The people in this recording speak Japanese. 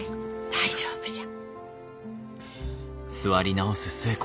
大丈夫じゃ。